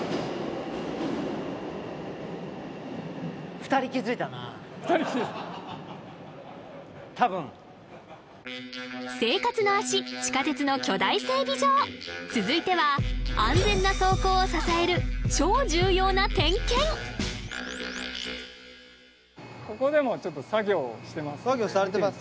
２人多分生活の足地下鉄の巨大整備場続いては安全な走行を支える超重要な点検作業されてます